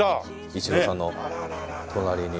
イチローさんの隣に。